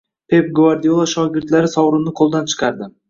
Pep Gvardiola shogirdlari sovrinni qo‘ldan chiqardi